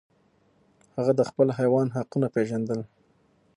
هغه د خپل حیوان حقونه پیژندل.